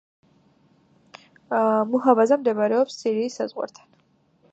მუჰაფაზა მდებარეობს სირიის საზღვართან.